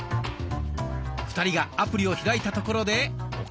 ２人がアプリを開いたところで岡嶋さん。